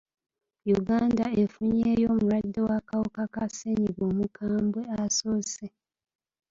Uganda efunyeyo omulwadde w'akawuka ka ssenyiga omukambwe asoose.